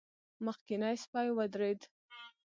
مخکينی سپی ودرېد.